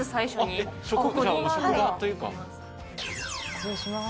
失礼します。